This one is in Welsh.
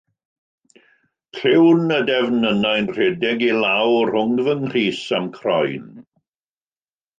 Clywn y defnynnau'n rhedeg i lawr rhwng fy nghrys a'm croen.